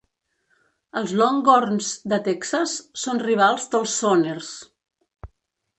Els Longhorns de Texas són rivals dels Sooners.